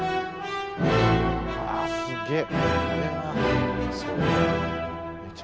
あすっげえ。